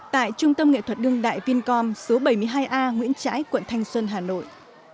tại trung tâm nghệ thuật đương đại vincom số bảy mươi hai a nguyễn trãi quận thanh xuân hà nội